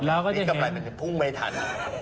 เราก็จะเห็นเนี่ยเข้ามาแบบผุ่งไม่ทัน